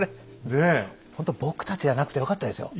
ほんと僕たちじゃなくてよかったですよ。